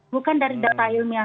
bukan dari data ilmiah